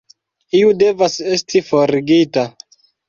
Iu devas esti forigita.